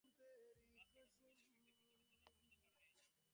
গাছ কাটার সঙ্গে জড়িত ব্যক্তিদের বিরুদ্ধে ব্যবস্থা নেওয়ার ক্ষমতা কারও নেই।